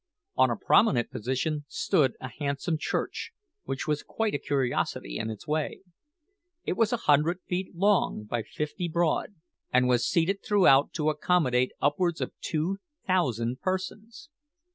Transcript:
On a prominent position stood a handsome church, which was quite a curiosity in its way. It was a hundred feet long by fifty broad, and was seated throughout to accommodate upwards of two thousand persons.